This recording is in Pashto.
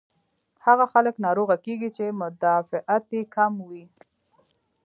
هاغه خلک ناروغه کيږي چې مدافعت ئې کم وي